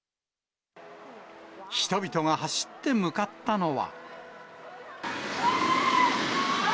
人々が走って向かったのは。